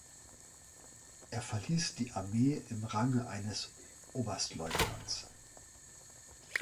Er verließ die Armee im Range eines Oberstleutnants.